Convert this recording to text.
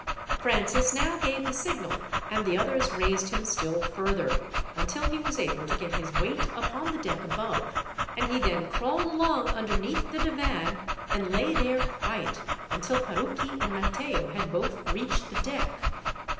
Francis now gave the signal, and the others raised him still further, until he was able to get his weight upon the deck above, and he then crawled along underneath the divan, and lay there quiet until Parucchi and Matteo had both reached the deck.